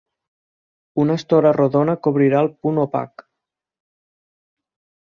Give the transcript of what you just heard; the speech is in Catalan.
Una estora rodona cobrirà el punt opac.